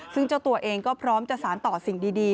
ซึ่งเจ้าตัวเองก็พร้อมจะสารต่อสิ่งดี